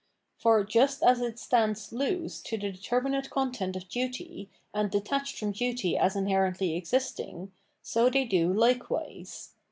For just as it stands loose to the determinate content of duty, and detached from duty as inherently existing, so do they hkewise.